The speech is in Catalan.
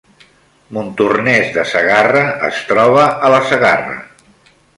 Montornès de Segarra es troba a la Segarra